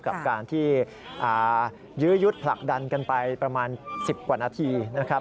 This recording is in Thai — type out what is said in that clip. กับการที่ยื้อยุดผลักดันกันไปประมาณ๑๐กว่านาทีนะครับ